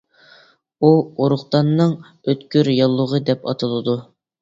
بۇ ئۇرۇقداننىڭ ئۆتكۈر ياللۇغى دەپ ئاتىلىدۇ.